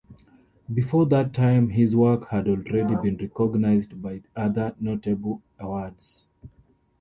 Before that time his work had already been recognized by other notable awards.